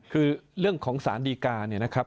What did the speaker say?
คือเรื่องของสารดีกาเนี่ยนะครับ